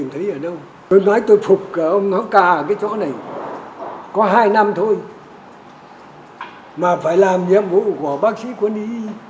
mà phải làm nhiệm vụ của bác sĩ quân y